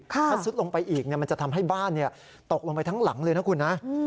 ถ้าซุดลงไปอีกมันจะทำให้บ้านตกลงไปทั้งหลังเลยนะคุณนะ